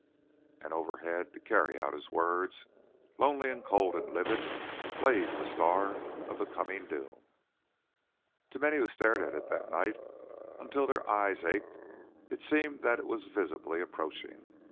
And overhead, to carry out his words, lonely and cold and livid, blazed the star of the coming doom. To many who stared at it that night until their eyes ached, it seemed that it was visibly approaching.